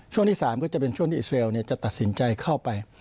ช่วงที่๓ก็จะเป็นช่วงที่อิสราเอลจะตัดสินใจเข้าไป